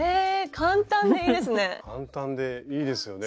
簡単でいいですよね。